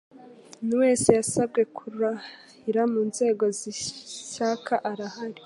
umuntu wese wasabwe kurahira mu nzego zishyaka arahari